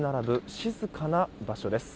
静かな場所です。